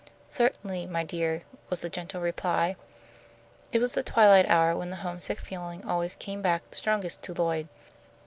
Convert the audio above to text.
"Certainly, my dear," was the gentle reply. It was the twilight hour, when the homesick feeling always came back strongest to Lloyd.